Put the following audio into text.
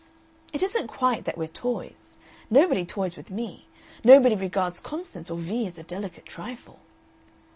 "It isn't quite that we're toys. Nobody toys with me. Nobody regards Constance or Vee as a delicate trifle."